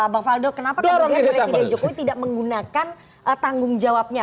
bang faldo kenapa kemudian presiden jokowi tidak menggunakan tanggung jawabnya